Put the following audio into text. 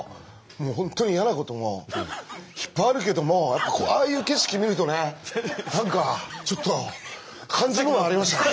本当に嫌なこともいっぱいあるけどもああいう景色見るとね何かちょっと感じるものありましたね。